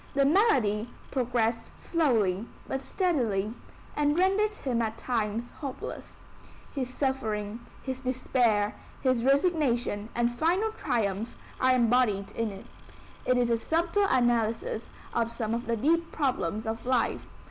The malady progressed slowly but steadily, and rendered him at times hopeless. His suffering, his despair, his resignation and final triumph are embodied in it. It is a subtle analysis of some of the deep problems of life.